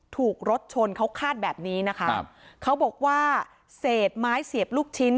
ถูกรถชนเขาคาดแบบนี้นะคะครับเขาบอกว่าเศษไม้เสียบลูกชิ้น